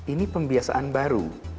ini pembiasaan baru